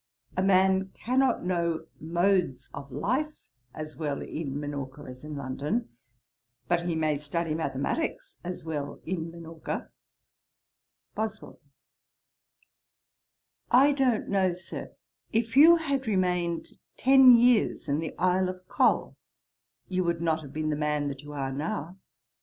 A man cannot know modes of life as well in Minorca as in London; but he may study mathematicks as well in Minorca.' BOSWELL. 'I don't know, Sir: if you had remained ten years in the Isle of Col, you would not have been the man that you now are.'